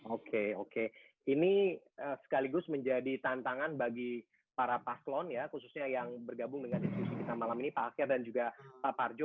oke oke ini sekaligus menjadi tantangan bagi para paslon ya khususnya yang bergabung dengan diskusi kita malam ini pak akyat dan juga pak parjo